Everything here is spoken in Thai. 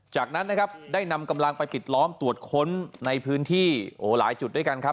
จากนั้นนะครับได้นำกำลังไปปิดล้อมตรวจค้นในพื้นที่หลายจุดด้วยกันครับ